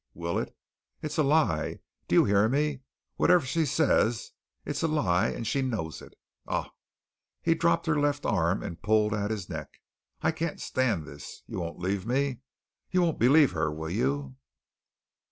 Will it? It's a lie, do you hear me, whatever she says. It's a lie, and she knows it. Ough!" He dropped her left arm and pulled at his neck. "I can't stand this. You won't leave me. You won't believe her, will you?"